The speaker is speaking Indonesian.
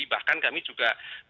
bahkan kami juga